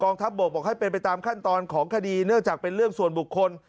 ทัพบกบอกให้เป็นไปตามขั้นตอนของคดีเนื่องจากเป็นเรื่องส่วนบุคคล